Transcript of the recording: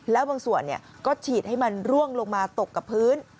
แล้วบางส่วนก็ฉีดให้มันร่วงลงมาตกกับพื้น